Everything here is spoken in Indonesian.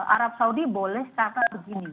arab saudi boleh kata begini